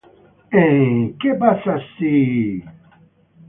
En "What If?